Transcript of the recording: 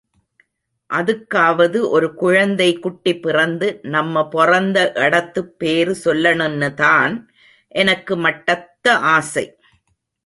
அதுக்காவது ஒரு குழந்தை குட்டி பிறந்து நம்ம பொறந்த எடத்துப் பேரு சொல்லணுன்னுதான் எனக்கு மட்டத்த ஆசை.